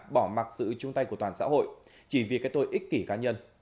bỏ mặc sự chung tay của toàn xã hội chỉ vì cái tôi ích kỷ cá nhân